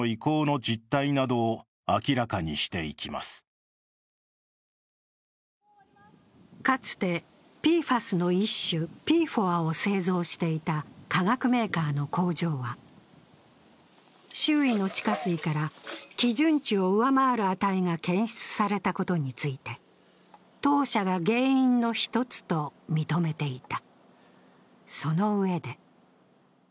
農水省は取材に対しかつてＰＦＡＳの一種、ＰＦＯＡを製造していた化学メーカーの工場は、周囲の地下水から基準値を上回る値が検出されたことについて、当社が原因の１つと認めていた。